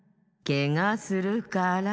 ケガするから。